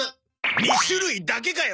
２種類だけかよ！